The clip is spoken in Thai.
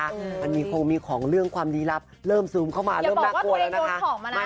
ตากลงอีกแล้วนะคะ